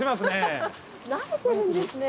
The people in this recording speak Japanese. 慣れてるんですね。